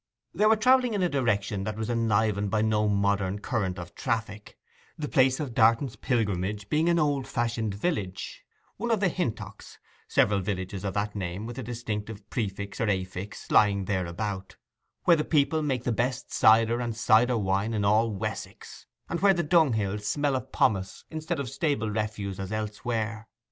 They were travelling in a direction that was enlivened by no modern current of traffic, the place of Darton's pilgrimage being an old fashioned village—one of the Hintocks (several villages of that name, with a distinctive prefix or affix, lying thereabout)—where the people make the best cider and cider wine in all Wessex, and where the dunghills smell of pomace instead of stable refuse as elsewhere.